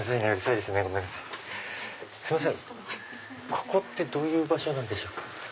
ここってどういう場所なんでしょうか？